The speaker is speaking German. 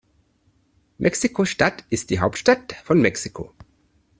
Mexiko-Stadt ist die Hauptstadt von Mexiko.